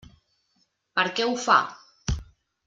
Per què ho fa?